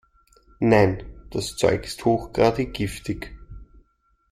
Nein, das Zeug ist hochgradig giftig.